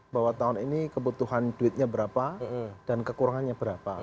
bahwa tahun ini kebutuhan duitnya berapa dan kekurangannya berapa